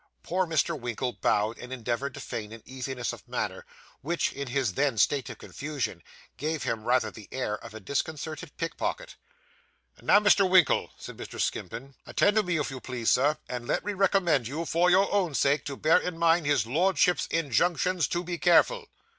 Poor Mr. Winkle bowed, and endeavoured to feign an easiness of manner, which, in his then state of confusion, gave him rather the air of a disconcerted pickpocket. 'Now, Mr. Winkle,' said Mr. Skimpin, 'attend to me, if you please, Sir; and let me recommend you, for your own sake, to bear in mind his Lordship's injunctions to be careful.